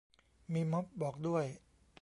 มีม็อบบอกด้วย